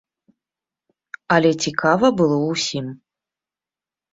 Але цікава было ўсім.